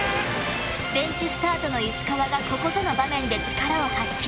ベンチスタートの石川がここぞの場面で力を発揮。